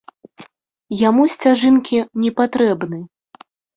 Яму сцяжынкі не патрэбны.